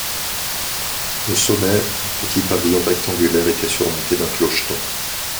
Au sommet, un petit pavillon rectangulaire était surmonté d'un clocheton.